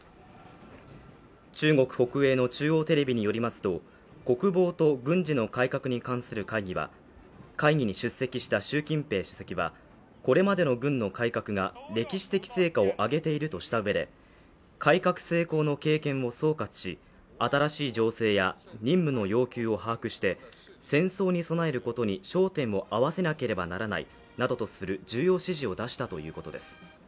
中国国営の中央テレビによりますと国防と軍事の改革に関する会議に出席した習近平主席はこれまでの軍の改革が歴史的成果を上げているとしたうえで改革成功の経験を総括し、新しい情勢や任務の要求を把握して戦争に備えることに焦点を合わせなければならないなどとする重要指示を出したということです。